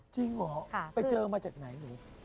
จริงเหรอไปเจอมาจากไหนหนู